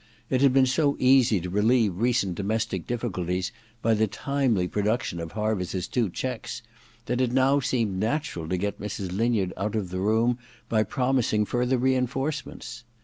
It had been so easy to relieve recent domestic difficulties by the timely pro duction of Harviss*s two cheques that it now seemed natural to get Mrs. Linyard out of the room by promising further reinforcements.